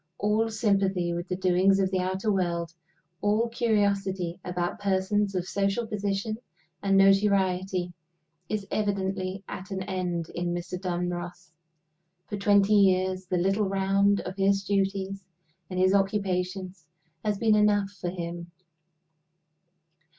All sympathy with the doings of the outer world, all curiosity about persons of social position and notoriety, is evidently at an end in Mr. Dunross. For twenty years the little round of his duties and his occupations has been enough for him.